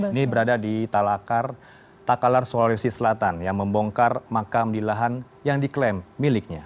ini berada di talakar takalar sulawesi selatan yang membongkar makam di lahan yang diklaim miliknya